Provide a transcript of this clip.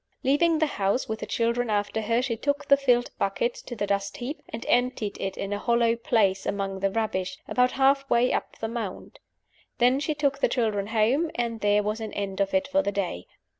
Leaving the house, with the children after her, she took the filled bucket to the dust heap, and emptied it in a hollow place among the rubbish, about half way up the mound. Then she took the children home; and there was an end of it for the day.